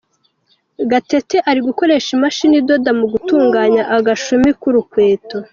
Gatete ari gukoresha imashini idoda mu gutunganya agashumi k’urukweto.